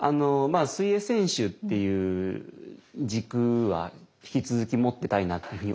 水泳選手っていう軸は引き続き持ってたいなっていうふうに思うんですよね。